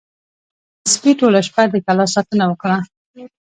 د سپي ټوله شپه د کلا ساتنه وکړه.